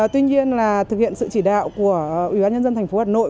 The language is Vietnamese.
tuy nhiên là thực hiện sự chỉ đạo của ủy ban nhân dân tp hà nội